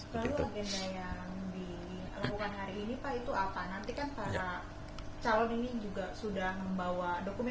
lalu agenda yang dilakukan hari ini pak itu apa